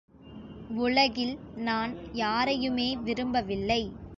உலகில் நான் யாரையுமே விரும்பவில்லை.